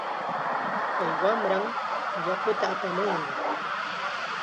Kay wamram yakuta apamunqa.